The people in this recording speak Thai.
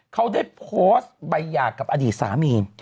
เขาได้โพสต์ใบหย่ากับอดีตสามี